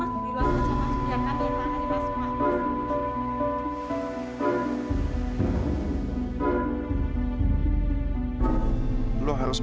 mendingan mak di luar kaca masuk